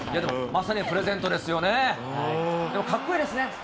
まさにプレゼントですよね。